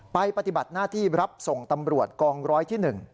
ปฏิบัติหน้าที่รับส่งตำรวจกองร้อยที่๑